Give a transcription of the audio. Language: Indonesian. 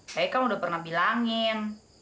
saya kan udah pernah bilangin